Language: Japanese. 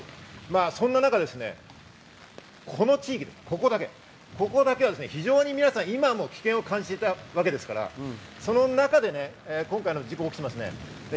そんな中、この地域、ここだけは非常に皆さん今も危険を感じていたわけですから、その中で今回の事故が起きています。